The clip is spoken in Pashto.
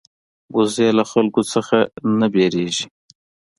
وزې له خلکو نه نه وېرېږي